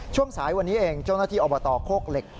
ช่วงสายวันนี้เองเจ้าหน้าที่อบตโคกเหล็ก